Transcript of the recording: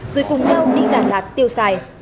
rồi cùng nhau đi đà lạt tiêu xài